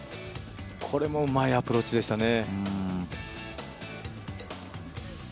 これもうまいアプローチでしたね。